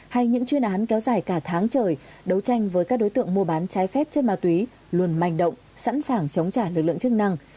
hay những chuyên án kéo dài cả tháng trời đấu tranh với các đối tượng mua bán trái phép chất ma túy luôn manh động sẵn sàng chống trả lực lượng chức năng